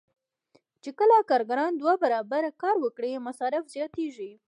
کله چې کارګران دوه برابره کار وکړي مصارف زیاتېږي